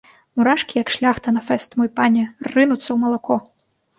Мурашкі, як шляхта на фэст, мой пане, рынуцца ў малако.